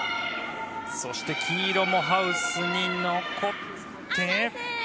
そして黄色もハウスに残って。